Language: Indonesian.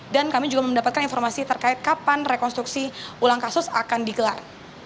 dan kami juga mendapatkan informasi terkait kapan rekonstruksi ulang kasus akan digelar